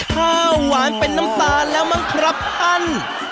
ข้าวหวานเป็นน้ำตาลแล้วมั้งครับท่าน